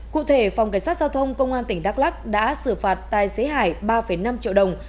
cụ thể phòng cảnh sát giao thông công an tỉnh đắk lắc đã xử phạt tài xế hải ba năm triệu đồng